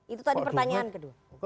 itu tadi pertanyaan kedua